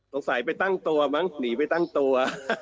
สงสัยไปตั้งตัวมั้งหนีไปตั้งตัว